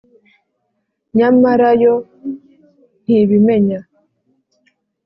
nyamara yo ntibimenya!